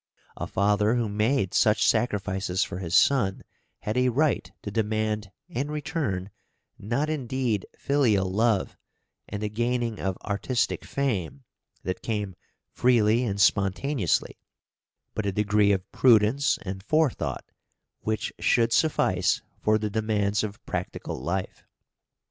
A father who made such sacrifices for his son had a right to demand in return, not indeed filial love, and the gaining of artistic fame that came freely and spontaneously but a degree of prudence and forethought which should suffice for the demands of practical life.